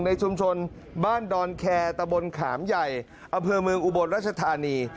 ในชุมชนบ้านดอนแคร์ตะบนขามใหญ่อำเภอเมืองอุบลรัชธานี